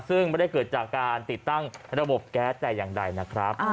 ซึ่งไม่ได้เกิดจากการติดตั้งระบบแก๊สแต่อย่างใดนะครับ